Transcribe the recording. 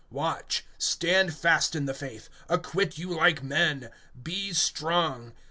(13)Watch, stand fast in the faith, acquit you like men, be strong.